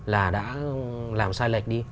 là đã làm sai lệch đi